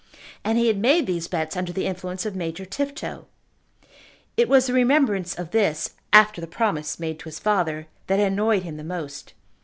And he had made these bets under the influence of Major Tifto. It was the remembrance of this, after the promise made to his father, that annoyed him the most.